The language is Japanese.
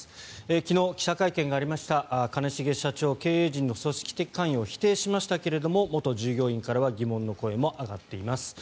昨日、記者会見がありました兼重社長経営陣の組織的な関与を否定しましたが元従業員からは疑問の声も上がっています。